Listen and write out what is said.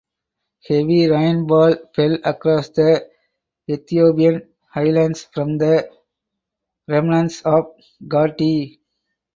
Heavy rainfall fell across the Ethiopian Highlands from the remnants of Gati.